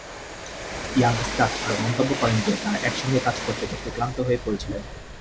ইয়াংস্টাড আরও মন্তব্য করেন যে তারা একসঙ্গে কাজ করতে করতে ক্লান্ত হয়ে পড়েছিলেন।